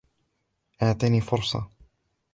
إعطيني فُرصة!